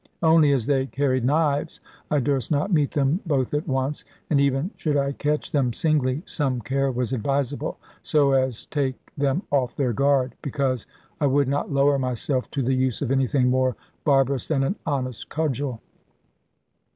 Only as they carried knives, I durst not meet them both at once; and even should I catch them singly, some care was advisable, so as take them off their guard; because I would not lower myself to the use of anything more barbarous than an honest cudgel.